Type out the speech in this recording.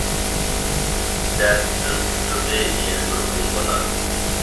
دەپ سۆز قىستۇردى يەنە بىر ئوغۇل بالا.